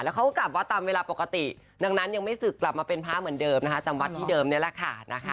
แล้วเขาก็กลับว่าตามเวลาปกติดังนั้นยังไม่ศึกกลับมาเป็นพระเหมือนเดิมนะคะ